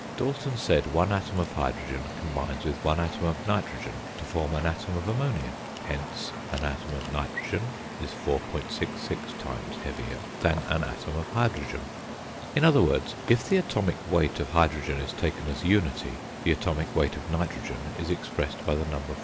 Dalton said one atom of hydrogen combines with one atom of nitrogen to form an atom of ammonia; hence an atom of nitrogen is 4.66 times heavier than an atom of hydrogen; in other words, if the atomic weight of hydrogen is taken as unity, the atomic weight of nitrogen is expressed by the number 4.